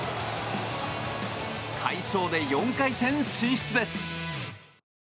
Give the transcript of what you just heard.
快勝で４回戦進出です。